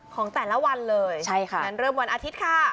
ของแต่ละวันเลยใช่ค่ะงั้นเริ่มวันอาทิตย์ค่ะ